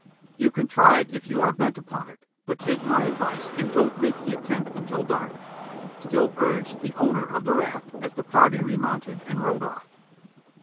"You can try it if you are bent upon it, but take my advice and don't make the attempt until dark," still urged the owner of the raft as the party remounted and rode off.